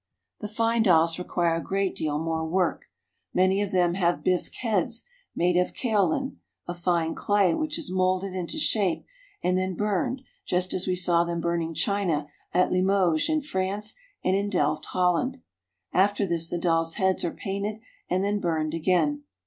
The fine dolls require a great deal more work. Many of them have bisque heads made of kaolin, a fine clay, which is molded into shape and then burned, just as we saw them burning china at Limoges in France and in Delft, Holland. After this the dolls' heads are painted and then burned again.